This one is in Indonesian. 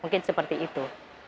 mungkin seperti itu